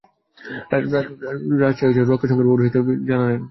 রাজশাহী রক্ষা সংগ্রাম পরিষদের সাধারণ সম্পাদক জামাত খান জানালেন, রাজশাহী মূলত কৃষি অঞ্চল।